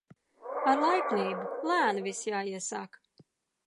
Ar laipnību, lēni viss jāiesāk